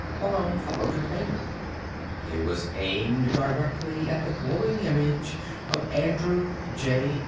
Malone followed her finger. It was aimed directly at the glowing image of Andrew J.